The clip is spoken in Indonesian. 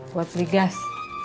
gua beli gas